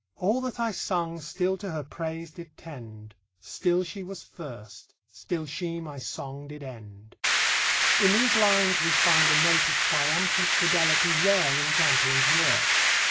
All that I sung still to her praise did tend; Still she was first, still she my song did end in these lines we find a note of triumphant fidelity rare in Campion's work.